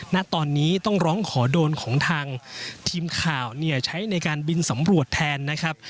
ณตอนนี้ต้องร้องขอโดรนของทางทีมข่าวเนี่ยใช้ในการบินสำรวจแทนนะครับ